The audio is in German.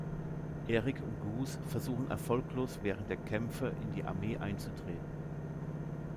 Erik und Guus versuchen erfolglos während der Kämpfe in die Armee einzutreten.